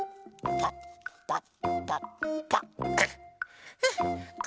パッパッパッパッと。